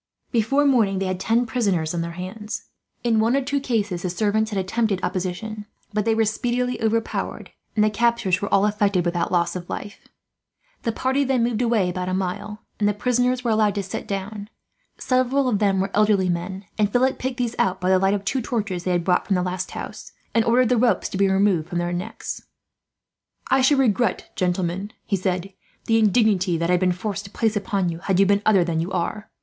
Before morning they had ten prisoners in their hands. In one or two cases the servants had attempted opposition, but they were speedily overpowered, and the captures were all effected without loss of life. The party then moved away about a mile, and the prisoners were allowed to sit down. Several of them were elderly men, and Philip picked these out, by the light of two torches they had brought from the last house, and ordered the ropes to be removed from their necks. "I should regret, gentlemen," he said, "the indignity that I have been forced to place upon you, had you been other than you are.